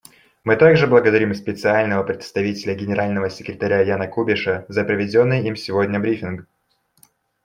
Мы также благодарим Специального представителя Генерального секретаря Яна Кубиша за проведенный им сегодня брифинг.